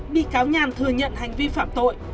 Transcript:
bị cáo nhàn thừa nhận hành vi phạm tội